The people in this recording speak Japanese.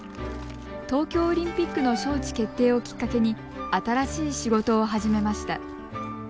東京オリンピックの招致決定をきっかけに新しい仕事を始めました。